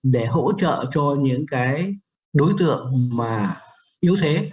để hỗ trợ cho những cái đối tượng mà yếu thế